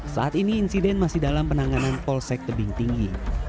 saat ini insiden masih dalam penanganan polsek tebing tinggi